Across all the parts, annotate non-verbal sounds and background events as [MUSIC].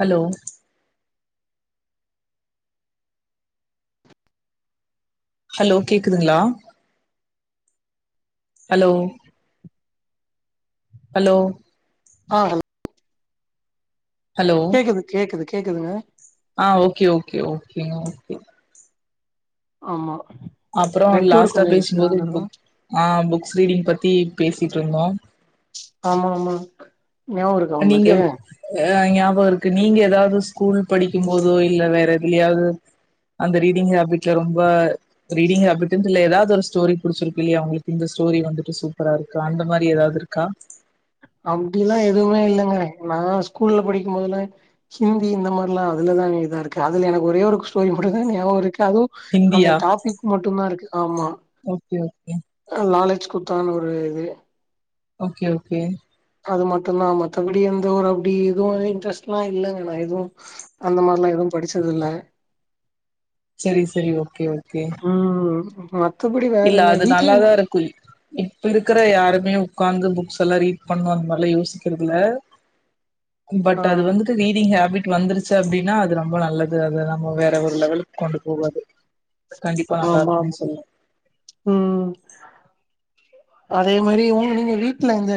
Hello. Hello கேக்குதுங்களா hello hello. ஆ ஹா ஹலோ கேக்குது கேக்குது கேக்குதுங்க ஆ ஓகே ஓகே ஓகே ஓகே. ஆமா அப்பறோ நெட்வொர்க் லாஸ்ட்டா கொஞ்சோ இஷ்யூவா பேசுபோது இருக்கு புக் ஆ புக்ஸ் ரீடிங் பத்தி பேசிட்டு இருந்தோ. ஆமா ஆமா நியாபகோ இருக்கா உங்களுக்கு. எதனா ஞாபக இருக்கு நீங்க எதாவது ஸ்கூல் படிக்கு போதோ இல்ல வேற எதுலயாவது அந்த ரீடிங் ஹபிட்ட ரொம்ப ரீடிங் ஹேபிட்டுட்டு இல்ல எதாவது ஒரு ஸ்டோரி புடிச்சிருக்கு இல்லையா உங்களுக்கு இந்த ஸ்டோரி வந்துட்டு சூப்பராரு கா அந்த மாரி எதாவது இருக்கா அப்டின்லா எதுவுமே இல்லங்க நா ஸ்கூல்ல படிக்கும்போதெல்லா ஹிந்தி இந்த மாதிரிலாமஅதுல தா இதா இருக்குது எனக்கு ஒரே ஒரு ஸ்டோரி மட்டு தா ஞாபகம் இருக்கு அதுவு அந்த ஹிந்தியா டாபிக் மட்டுந்தா இருக்கு ஆம்மா ஓகே ஓகே காலேஜ் கொடுத்தான்னு ஒரு இது ஓகே ஓகே அது மட்டுந்தா மத்தபடி எந்த ஒரு அப்டி எதுவுமே இன்ட்ரெஸ்ட்ல்லா இல்லங்கனா எதுவு அந்த மாரிலாமஎதுவு படிச்சது இல்ல சேரி சேரி ஓகே ஓகே ம் மத்தபடி வேற இல்ல என்ன அது வீட்ல நல்லாதா இருக்கும் இப்ப இருக்கற யாருமே உக்காந்து புக்ஸ் எல்லா ரீட் பண்ணு அந்த மாரிலா யோசிக்கறதில்ல பட் ஆ அது வந்துட்டு ரீடிங் ஹேபிட் வந்துருச்சு அப்டின்னா அது ரொம்ப நல்லது அது அதா நம்ம வேற ஒரு லெவலுக் கொண்டு போகு அது ஆமா ஆமா ம் அதே மாதிரி உங்க வீட்டுல இந்தந்த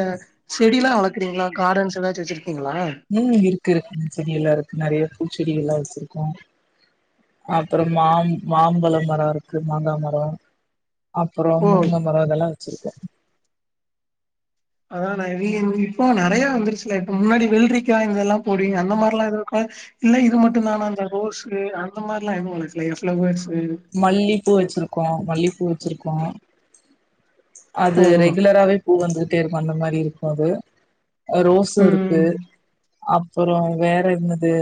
செடி எல்லா வளர்க்குறீங்களா காடன்ஸ் எதச்சு வச்சிருக்கீங்களா ம் இருக்கு செடி எல்லா இருக்கு நிறைய பூச்செடிகள் எல்லா வச்சிருக்கோ அப்பற மாம் மாம்பழ மர இருக்கு மாங்கா மர அப்பறோ ஓ முருங்க மரோ இதெல்லா வெச்சிருக்கே அதா நவி இப்போ நிறைய வந்துருச்சுல இப்ப முன்னாடி வெல்ரிக்கா இதெல்லா போடுவிங்கள அந்த மாதிர எல்லா இல்ல இது மட்டுந்தானா அந்த ரோஸ்கு அந்த மாரிலா எதுவுல்ல ஃப்ளேய ஃப்ளவர்ஸ்சு மல்லிப்பூ வச்சிருக்கோ மல்லிப்பூ வச்சிருக்கோ அது ஓ ரெகுலரவே பூ வந்து பந்த மாதிரி இருக்கு அது ரோஸு இருக்கு ம் அப்ற வேற என்னது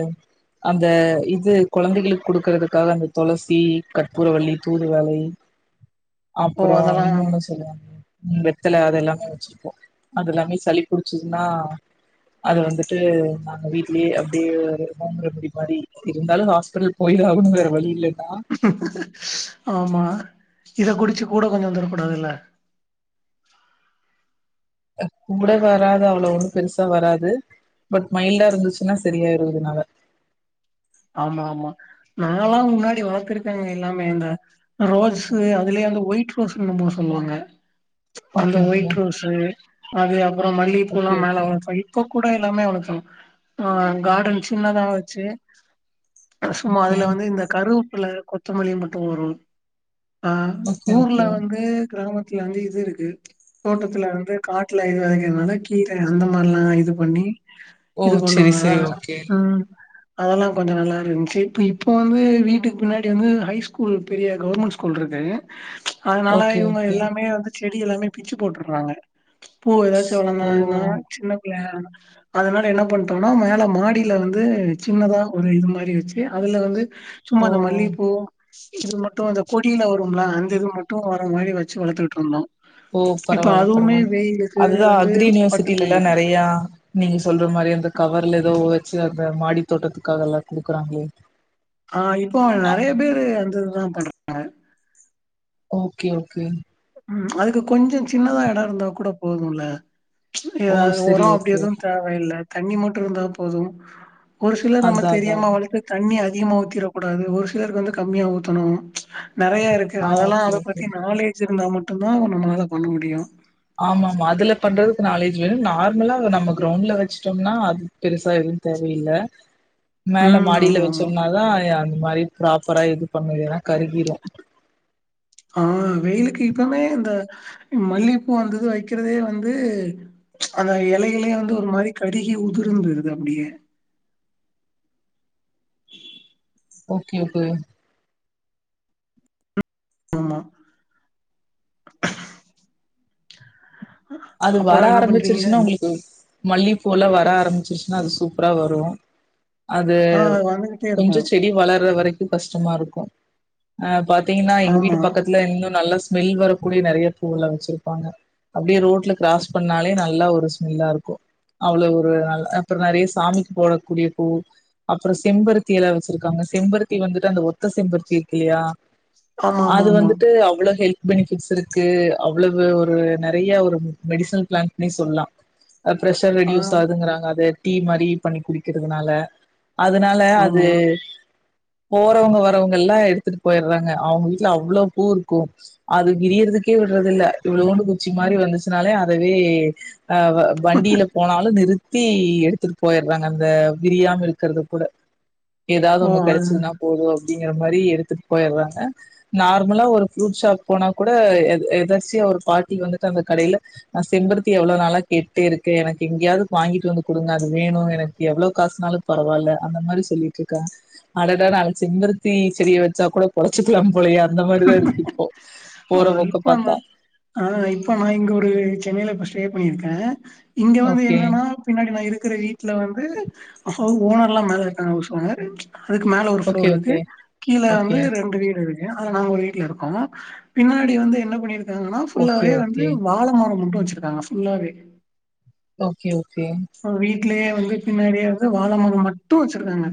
அந்த இது குழந்தைகள் கொடுக்குறதுக்காக அந்த துளசி கற்பூரவள்ளி தூது வலை ஓ அப்பற அதெல்லா இன்னொன்னு சொல்லுவாங்க வெத்தல அது எல்லாமே வச்சிருப்போ அதுஎல்லாமே சளி புடிச்சதுன்னா அது வந்துட்டு நாங்க வீட்லயே அப்படியே ரோ ரெமடிக மாதிரி இருந்தாலு ஹாஸ்பிடல் போய்டாகணு வேற வழி இல்லன்னா ஆமா இத குடிச்சு கூட கொஞ்சே தரக்கூடாதல்ல கூட வராது அவ்வளவு ஒண்ணு பெருச வராது பட் மைல்டா இருந்துச்சுனா சரியாயிடு இதுனால ஆம்மா ஆம்மா நால்லா முன்னாடி வளத்திருக்கேங்க எல்லாமே இந்த ரோஸ் அதுலயே அந்த ஒயிட் ரோஸ்ன்னு சொல்லுவாங்க அந்த ஓகே ஓகே ஒயிட் ரோஸ் அது அப்புற மல்லிகைப்பூ எல்லா ஓகே மேலே ஓகே வளர்த் இப்ப கூட எல்லாமே வளக்கள கார்டன் ஆ சின்னதா வச்சு சும்மா அதுல வந்து இந்த கருப்புல கொத்தமல்லி மட்டு வரு அஹ் ஓகே ஓகே ஊர்ல ஓகே வந்து கிராமத்துல வந்து இது இருக்கு தோட்டத்துல வந்து காட்டுல இது வளக்கிறதுனால கீரை அந்த மாரிலா இது பண்ணி ஓ இது செரி பண்ணுவாங்களா செரி ஓகே ம் அதெல்லா கொஞ்சோ நல்லா இருந்ச்சு இப் இப்போ வந்து வீட்டுக் பின்னாடி வந்து ஹை ஸ்கூல் பெரிய கவர்மெண்ட் ஸ்கூல்ருக்குங்க அதனால ஓகே இவங்க ஓகே எல்லாமே வந்து செடி எல்லா பிச்சு போட்டுறாங்க பூ ஏதாச்சு ஓ வேணும சின்ன பிள்ளை அதனால என்ன பண்ணிட்டோம்னா மேல மாடியில இருந்து சின்னதா ஒரு இது மாதிரி வச்சு அதுல வந்து சும்மா ஓ அ இந்த மல்லிபூ இது மட்டு இந்தந்த கொடியில வரும்ல அந்த இது மட்டு வர மாதிரி வச்சு வளர்த்திட்டு இருந்தோ ஓ இப்ப பரவாயில்ல அதுவுமே பரவாயில்ல வெயிலுக்கு அதுதா வந்து அக்ரி பட்டு யூனிவர்சிட்டில எல்லா போயிடுது நிறைய நீங் சொல்ற மாரெ அந்த கவர்ல எதோ வெச்சு அந்த மாடி தோட்டத்துக்காக எல்லா குடுக்கறாங்ளே ஆ இப்போ நறையா பேரு அந்த இதுதா பண்றாங்க ஓகே ஓகே ம் அதுக்கு கொஞ்சொ சின்னதா எடோ இருந்தா கூட போதுமுல்ல ஓ எதாது ஒரொ சரி அப்டி ஓகே எதுவு ஓகே தேவயில்ல தண்ணி மட்டு இர்ந்தா போதும் ஒரு சிலர் நம்ம அதா அதா தெரியாம வளத்து தண்ணி அதிகமா ஊத்திறக் கூடாது ஒரு சிலருக்கு வந்து கம்மியா ஊத்தணு நெறைய இருக்கு ஆ அதெல்லா ஓகே அத ஓகே பத்தி நாலேஜ் இருந்தா மட்டுந்தா நம்மளால பண்ண முடியு ஆமா ஆமா அதுல பண்றதுக்கு நாலேஜி வேணு நார்மலா நம்ம கிரௌண்ட்ல வச்சிட்டோம்னா அது பெருசா எதும் தேவயில்ல மேல ம் மாடில்ல ஆமா ஆமா வச்சோம்னாதா அந்த மாரி ப்ராப்பரா இது பண்ணுது எனா கருகீரு ஆ வெயிலுக்கு இப்பவுமே இந்த மல்லிப்பூ வந்துது வைக்கிறதே வந்து அந்த எலை எலையா அந்து ஒரு மாரி கருகி உதுர்ந்துது அப்டியே ஓக்கே ஓக்கே ஆம்மா அது வர அப்பறோ என்ன பண்றீங்க ஆரம்பிச்சிருச்சின்னா உங்களுக்கு மல்லிகப்பூலா வர ஆரம்பிச்சிருச்சின்னா அது சூப்பரா வரும் அது ஆ அது வந்துகிட்டே கொஞ்ச இருக்கு செடி வளற வரைக்கு கஷ்டமா இருக்கும் ஆ பாத் தீங்கன்னா எங் ஆமா வீட்டுக் பக்கத்துல இன்னு நல்ல ஸ்மெல் வரக்கூடிய நறைய பூவ்ல்லா வச்சிருப்பாங்க அப்டே ரோட் ரோட்ல க்ராஸ் பண்ணாலே நல்லா ஒரு ஸ்மெல்லாருக்கு அவ்வளவு ஒரு நல் அப்பற நறைய சாமிக் போடக்கூடிய பூ அப்புற செம்பருத்தி எல வச்சிருக்காங்க செம்பருத்தி வந்துட்டு அந்த ஒத்த செம்பருத்தி இருக்கு இல்லையா ஆமா ஆமா அது ஆமா வந்துட்டு அவ்வள ஹெல் பெனிஃபிட்ஸ் இருக்கு அவ்வளவு ஒரு நெறைய ஒரு மெடிஸனல் ப்ளான்ட்னே சொல்லா ஆ பிரஷர் ஆ ரெடியூஸ் ஆகுதுங்கறாங்க அது டீ மாரி பண்ணி குடிக்கிறதுனால அதுனால அது ஆமா போறவுங்க வரவுங்கல்லா எடுத்துட்டு பொயிர்றாங்க அவுங்க வீட்ல அவ்ளோ பூ இருக்கூ அது விரியருதுக்கே விடுறதில்ல இவ்ளோண்டு குச்சி மாரி வந்துச் த்துனாலே அதவே அ வ வண்டில போனாலு நிறுத்தி எடுத்துட்டு போய்ற்றாங்க அந்த விரியாம இருக்கற்து கூட எதாவ்து ஓ ஒண்ணு அது கெடைச்துன்னா போது அப்டிங்கிற மாரி எடுத்துட்டு போய்ற்றாங்க நார்முலா ஒரு ஃப்ரூட் ஷாப் போனா கூட எத எதர்ச்சியா ஒரு பாட்டி வந்துட்டு அந்த கடைல நா செம்பருத்தி எவ்வளோ நாளா கேட்டேருக்கே எனக் எங்கியாவது வாங்கிட்டு வந்து கொடுங்க அது வேணு எனக் எவ்ளோ காஸ்னாலு பரவால்ல அந்த மாரி சொல்லிட்டு இருக்கா அடடா நாளா செம்பருத்தி செடிய வச்சா கூட பொழச்சிக்கலா போலயே அந்த மாரிதா இருக்கு இப்போ ஆ போறபோக்க இப்ப அந்த பாத்தா ஆ இப்ப நா இங்க ஒரு சென்னைல இப்ப ஸ்டே பண்ணியிருக்கே இங்க வந்து ஓகே என்னன்னா பின்னாடி நா இருக்குற வீட்ல வந்து ஹவ் ஓனர்ல்லா மேல இருக்காங்க ஹவுஸ் ஓனர் அதுக்கு மேல ஓகே ஒருஃப்ளோர் இருக்கு ஓகே கீழ ஓகே வந்து ரெண்டு வீடு இருக் அதுல நாங்க ஒரு வீட்ல இருக்கோம் பின்னாடி வந்து என்ன பண்ணிருக் ங்னா ஓகே ஃபுல்லாவே வந்து ஓகே வாழ மரோ மட்டு வச்சிருக்காங்க ஃபுல்லாவே ஓக்கே ஓக்கே வீட்லயே வந்து பின்னாடியே வந்து வாழ மரம் மட்டும் வச்சிருக்காங்க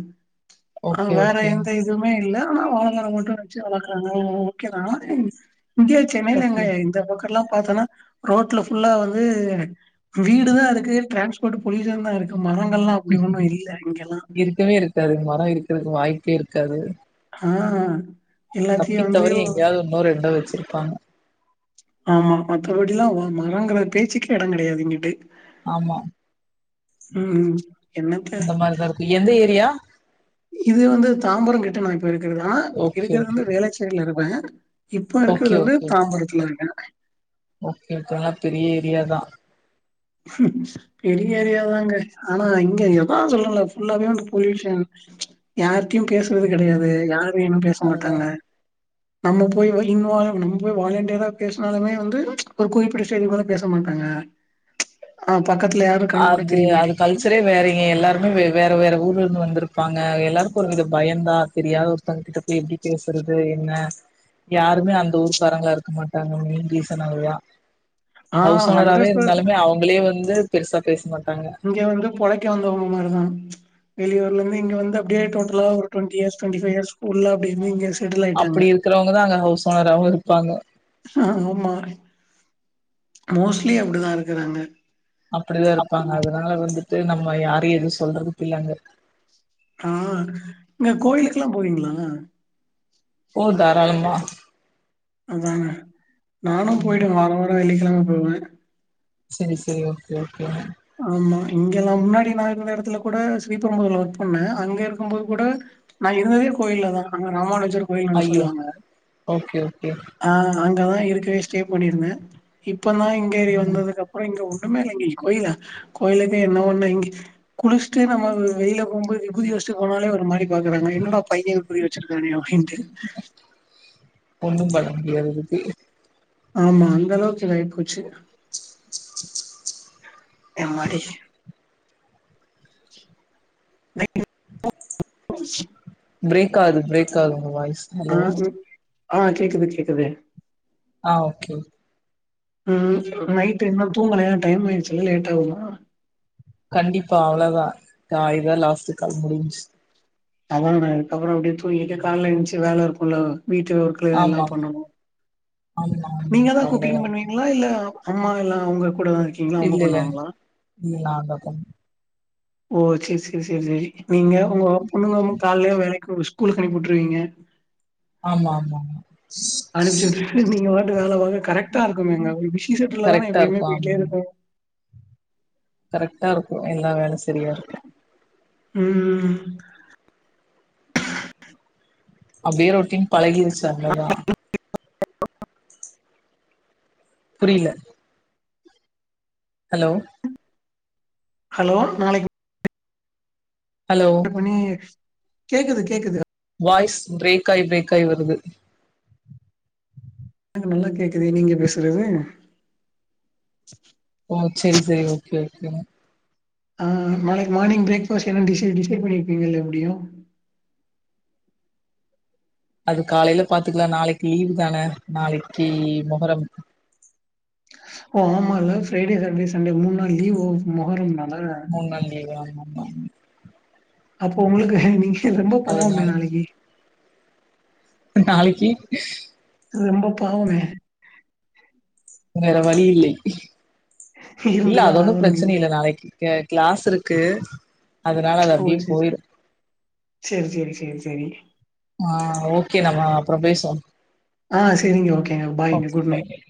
அ வேற ஓகே எந்த இதும் மே இல்ல ஆனா வாழ மர மட்டு வச்சு வளக்கறாங்க ஓக்கே தா இங்கே ஓகே சென்னைல எங்க ஓகே இந்த பக் கட்ல்லா பாத்தென ரோட்ல ஃபுல்லா வந்து வீடு தா அதுக்கு டிரான்ஸ் போட்டு பொலியூசன் தா இருக்கு மரங்கள்ல்லா அப்டி ஒண்ணு இல்ல இங்கெல்லா க்கவே இருக்காது மர இருக்கதுக்கு வாய்ப்பே இருக்காது ஆ எல்லாத்தையு வந்து தப்பித்தவறி எங்கேயாவது ஒன்னோ ரெண்டோ வெச்சிருப்பாங்க ஆமா மத்தபடி எல்லாம் ஒரு மரொங்கிற பேச்சுக்கே எடம் கெடையாது இங்கிட்டு ஆமா ம் என்னத்த இந்த மாரிதா இருக்கு எந்த ஏரியா இது வந்து தாம்பரோங் கிட்ட நான் இப்ப இருக்கிறதா ஓகே இருக்கிறது ஓகே வந்து வேளச்சேரியில இருப்பேன் இப்போ இருக்கிறது ஓகே வந்து ஓகே தாம்பரத்துல இருக்கேன் ஓகே ஓகே நல்ல பெரிய ஏரியா தான் [UNINTELLIGIBLE] பெரிய ஏரியாதாங்க ஆனா இங்க அதா சொல்ரல்ல ஃபுல்லாவே வந்து பொல்யூஷன் யார்ட்டயும் பேசுறது ம் கெடையாது யாரும் என்னும் பேச அதுதா மாட்டாங்க நம்ம போய் வலின்னா நம்ம போய் வாலண்டியராப் பேப்னாலுமே வந்து ஒரு குறிப்பிட்ட செய்தி கூட பேச மாட்டாங்க ஆ பக்கத்துல யாரும் அது அது கல்ச்சரே வேறயே எல்லாருமே வே வேற வேற ஊர்ல இருந்து வந்திருப்பாங்க எல்லாருக்கும் ஒரு வித பயந்தான் தெரியாத ஒருத்தங்க கிட்ட எப்டி பேசுறது என்ன யாருமே அந்த ஊருக்காரங்களா இருக்க மாட்டாங்க மெயின் ரீசன் அது தான் ஆ ஹௌஸ் ஓனராவே ஹண்ட்ரட் பர் இருந்தாலுமே அவுங்களே வந்து பெருசா பேச மாட்டாங்க இங்கே வந்து பொழைக்க வந்தவங்க மாரி தான் வெளியூர்ல இருந்து இங்க வந்து அப்டியே டோட்டலா ஒரு ட்வொண்டி இயர்ஸ் டுவொண்டிஃபைவ் இயர்ஸ் ஃபுல்லா அப்டிய் இப்டிங் கேஸ் அப்பிடி இருக்கிறவங்க தான் அங்க ஹவுஸ் ஓனராவும் இருப்பாங்க ஆமா மோஸ்ட்லி அப்டிதான் இருக்குறாங்க அப்பிடிதான் இருப்பாங்க அதனால வந்துட்டு நம்ம யாரையும் எதுவும் சொல்றதுக்கில்ல அங்க ஆ என்ன கோயிலுக்குல்லாம் போவீங்களா ஓ தாராளமா அதான நானும் ம் போயி்டுவேன் வாரோ வாரம் வெள்ளிக்கிழம போவேன் சேரி சேரி ஓகே ஓகே ஆமா இங்கே எல்லாம் முன்னாடி நான் இருந்த எடத்துல கூட ஸ்ரீபெரும்புதூர்ல ஒர்க் பண்ணேன் அங்க இருக்கும் போது கூட நான் இருந்ததே கோயில்ல தான் அங்க ராமானுஜர் கோவில்னு ஒன்னு ஐயோ சொல்லுவாங்க ஓகே ஓகே ஆ அங்கதான் இருக்கவே ஸ்டே பண்ணியிருந்தேன் இப்ப தான் இங்க ஏரி ம் வந்ததுக்குப் அப்பறம் இங்க ஒண்ணுமே இல்ல இங்க கோயிலா கோயிலுக்கு என்ன ஒண்ணு இங்க குளிச்சுட்டு நம்ம வ வெளியில போகும்போ விபூதி வச்சிட்டு போனாலே ஒரு மாதிரி பாக்குறாங்க என்னடா பையன் விபூதி வச்சிருக்கானே அப்டின்ட்டு ஒண்ணும் பண்ண முடியாது அதுக்கு ஆமா அந்த அளவுக்கு இதாகிப் போச்சு எம்மாடி [INAUDIBLE] ப்ரேக் ஆது ப்ரேக் ஆது உங்க வாய்ஸ் ஆ ஹலோ சொல் ஆ கேக்குது கேக்குது ஆ ஓகே ம் நைட் என்ன தூங்கலயா டைம் ஆயிடுச்சுல்லே லேட் ஆகுமா கண்டிப்பா அவ்ளோ தான் கா இதான் லாஸ்ட்டு கால் முடிஞ்ச்சு அதான இதுக்கப்பறம் அப்பிடியே தூங்கிட்டே காலைல எந்துருச்சு வேல இருக்கும் இல்ல வீட்டு ஒர்க்கு ஆமா எல்லாம் பண்ணணும் ஆமா ஆமா நீங்க தான் காலைல குக்கிங் பண்ணுவீங்களா இல்ல அம்மா எல்லாம் உங்க கூடதான் இருக்கீங் இல்ல இல்ல இல்ல நாந்தான் பண்ணு ஓ செரி செரி செரி செரி நீங்க உங்க பொண்ணுங்க கால்லே வேலைக் ஒ. ஸ்கூலுக்கு அனுப்பி விட்டுருவீங்க ஆமா ஆமா ஆமா அனுப்பி சொல்ற நீங்க பாட்டு வேலை வா கரெக்டா இருக்குமங்க விஷி சுட்டுல தா கரெக்டா எப்பயுமே இருக்கும் போயிட்டே ஆமா இருக்கு கரெக்டா இருக்கு என்னா வேணு சரியா இருக்கு ம் அவ்ற ஒருட்டையு பழகிடுச்சு அவ்ளோதா புரியல ஹலோ ஹலோ நாளைக்கு ஹலோ அந்த பொண்ணு கேக்குது கேக்குது வாய்ஸ் பிரேக் ஆயி பிரேக் ஆயி வருது எனக்கு நல்லா கேக்குது நீங்க பேசுறது ஓ சேரி சேரி ஓகே ஓகே ஆ நாளைக்கு மார்னிங் பிரேக் ஃபஸ்ட் என்ன டிஸ் பண்ணிருப்பீங்க இல்லலை முடியும் அது காலையில பாத்துக்கலா நாளைக்கு லீவு தானே நாளைக்கு மொகர ஓ ஆமால ஃரைடே சாட்டர்டே சண்டே மூணு நாள் லீவ் மொகரம் நல்லா பொங்கல் லீவா ஆமாமா ம் அப்போ உங்களுக்கு நீங்க ரொம்ப பாவமே அதனால நாளைக்கு நாளைக்கு ரொம்ப பாவோங்க வேற வழி இல்லை இல்ல இருந்துதா அது ஒன்னு ஆகணு பிரச்சன நீங்க இல்ல நாளைக்கு க கிளாஸ் இருக்கு அதனால அது அப்டியே போயிரு செரி செரி செரி செரி ஆ ஓகே நம்ம அப்றோ பேசுவோ ஆ சரிங்க ஓகேங்க பாய்ங்க ஓகே குட் நை பாய்